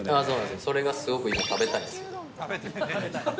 それが今、すごく食べたいんですよ。